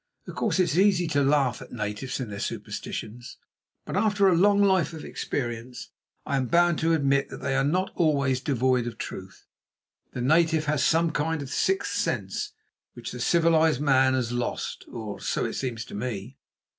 Of course it is easy to laugh at natives and their superstitions, but, after a long life of experience, I am bound to admit that they are not always devoid of truth. The native has some kind of sixth sense which the civilised man has lost, or so it seems to me.